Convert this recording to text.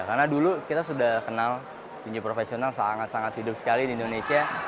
karena dulu kita sudah kenal petinju profesional sangat sangat hidup sekali di indonesia